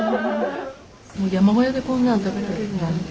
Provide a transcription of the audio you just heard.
山小屋でこんなの食べられるなんて。